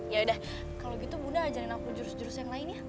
ya udah kalau gitu bunda ajarin aku jurus jurus yang lain ya